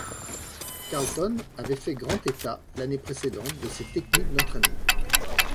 Carlton avait fait grand état, l'année précédente, de ses techniques d'entraînement.